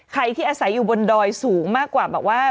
ใครที่อาศัยอยู่บนดอยสูงมากกว่าแบบว่า